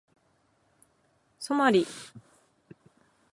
ソマリ